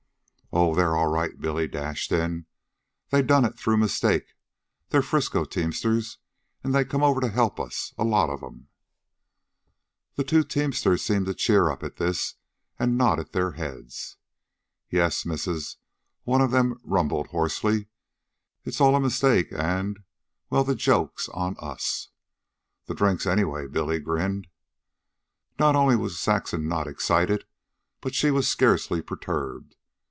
"Oh, they're all right," Billy dashed in. "They done it through mistake. They're Frisco teamsters, an' they come over to help us a lot of 'em." The two teamsters seemed to cheer up at this, and nodded their heads. "Yes, missus," one of them rumbled hoarsely. "It's all a mistake, an'... well, the joke's on us." "The drinks, anyway," Billy grinned. Not only was Saxon not excited, but she was scarcely perturbed.